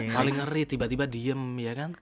paling ngeri tiba tiba diem ya kan